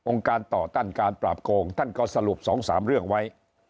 การต่อต้านการปราบโกงท่านก็สรุป๒๓เรื่องไว้